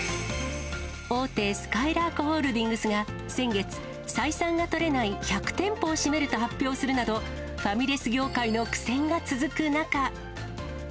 大手すかいらーくホールディングスが先月、採算が取れない１００店舗を閉めると発表するなど、ファミレス業界の苦戦が続く中。